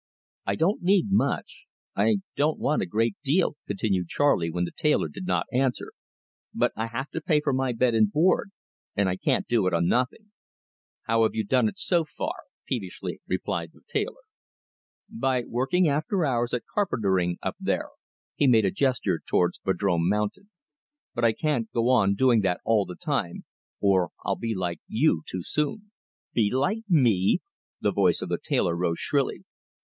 "I don't need much, I don't want a great deal," continued Charley when the tailor did not answer, "but I have to pay for my bed and board, and I can't do it on nothing." "How have you done it so far?" peevishly replied the tailor. "By working after hours at carpentering up there" he made a gesture towards Vadrome Mountain. "But I can't go on doing that all the time, or I'll be like you too soon." "Be like me!" The voice of the tailor rose shrilly.